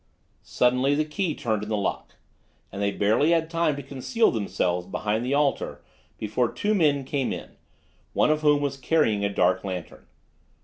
Suddenly, the key turned in the lock, and they barely had time to conceal themselves behind the altar before two men came in, one of whom was carrying a dark lantern.